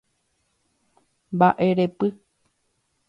Mba'erepy.